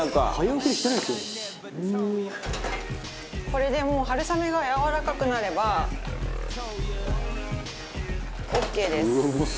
これでもう春雨がやわらかくなればオーケーです。